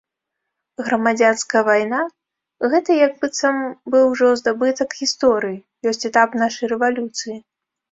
Грамадзянская вайна, гэты як быццам бы ўжо здабытак гісторыі, ёсць этап нашай рэвалюцыі.